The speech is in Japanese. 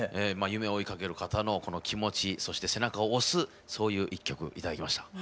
夢を追いかける方の気持ちそして背中を押すそういう一曲頂きました。